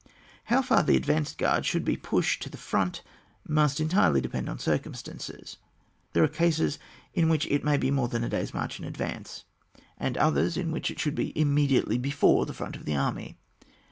How far the advanced guard should be pushed to the front must entirely depend on circumstances ; there are cases in which it may be more than a day's march in advance, and others in which it should be immediately before the front of the army.